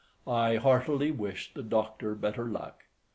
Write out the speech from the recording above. I heartily wish the Doctor better luck."